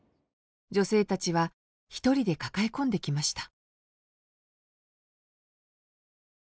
女性たちは一人で抱え込んできました